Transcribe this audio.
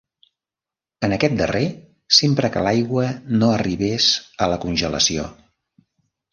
En aquest darrer, sempre que l'aigua no arribés a la congelació.